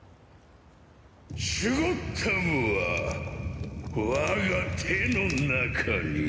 シュゴッダムは我が手の中に。